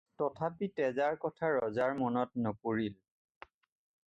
তথাপি তেজাৰ কথা ৰজাৰ মনত নপৰিল।